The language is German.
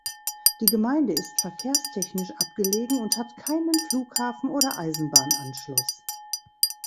Die Gemeinde ist verkehrstechnisch abgelegen und hat keinen Flughafen oder Eisenbahnanschluss.